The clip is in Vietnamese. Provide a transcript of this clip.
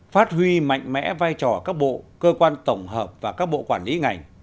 phát huy mạnh mẽ vai trò các bộ cơ quan tổng hợp và các bộ quản lý ngành